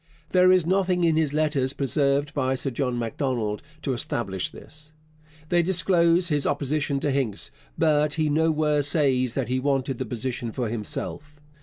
There is nothing in his letters preserved by Sir John Macdonald to establish this. They disclose his opposition to Hincks, but he nowhere says that he wanted the position for himself.